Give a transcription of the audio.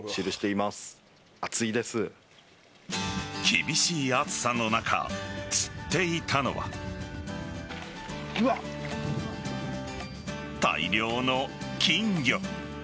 厳しい暑さの中釣っていたのは大量の金魚。